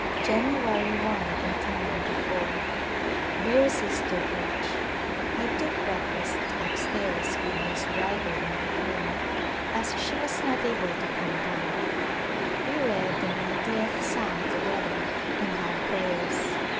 "January /, i8g^. Dear Sister H : I took breakfast up stairs with Miss Driver in her room as she was not able to come down. We read the Ninetieth Psalm together and had prayers.